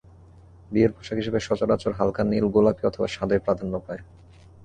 বিয়ের পোশাক হিসেবে সচরাচর হালকা নীল, গোলাপি অথবা সাদাই প্রাধান্য পায়।